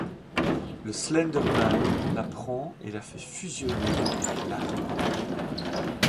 Le Slender Man la prend et la fait fusionner avec l'arbre.